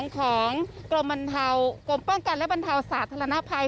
ของกรมป้องกันและบรรเทาสาธารณภัย